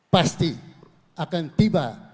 pasti akan tiba